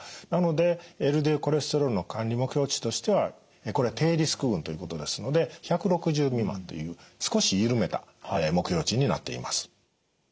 なのでＬＤＬコレステロールの管理目標値としてはこれ低リスク群ということですので１６０未満という少し緩めた目標値になっています。